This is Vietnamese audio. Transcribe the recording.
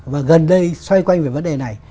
và gần đây xoay quanh về vấn đề này